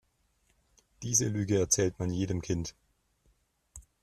Diese Lüge erzählt man jedem Kind.